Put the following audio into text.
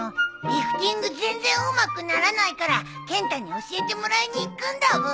リフティング全然うまくならないからケンタに教えてもらいに行くんだブー。